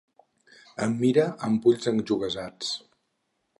Em mirava amb ulls enjogassats.